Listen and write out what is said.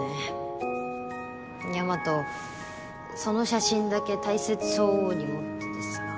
その写真だけ大切そうに持っててさ